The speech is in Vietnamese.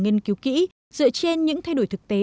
nghiên cứu kỹ dựa trên những thay đổi thực tế